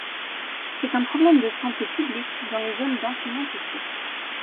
C'est un problème de santé publique dans les zones densément peuplées.